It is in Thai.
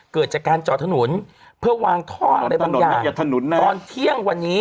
เกิดจากการจอดถนนเพื่อวางท่ออะไรบางอย่างตอนเที่ยงวันนี้